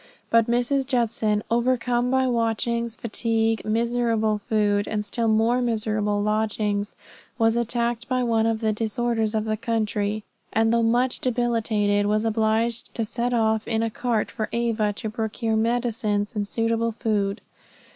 But Mrs. Judson, overcome by watchings, fatigue, miserable food, and still more miserable lodgings, was attacked by one of the disorders of the country; and though much debilitated, was obliged to set off in a cart for Ava to procure medicines and suitable food.